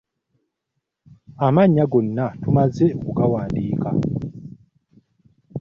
Amannya gonna tumaze okugawandiika.